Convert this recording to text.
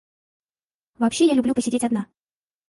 Вообще я люблю посидеть одна.